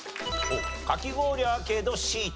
かき氷アーケードＣと。